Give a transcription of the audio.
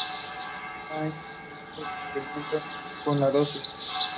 This could indicate that this species can be omnivorous.